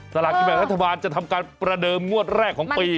ลากินแบ่งรัฐบาลจะทำการประเดิมงวดแรกของปี